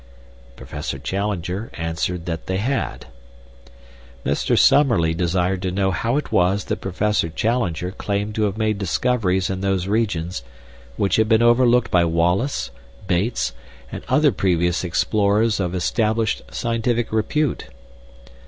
Professor Challenger answered that they had. Mr. Summerlee desired to know how it was that Professor Challenger claimed to have made discoveries in those regions which had been overlooked by Wallace, Bates, and other previous explorers of established scientific repute.